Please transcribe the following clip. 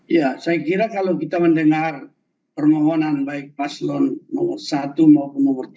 ya saya kira kalau kita mendengar permohonan baik paslon satu maupun nomor tiga